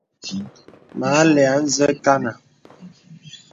Mə àlə̀ ā nzə kanà.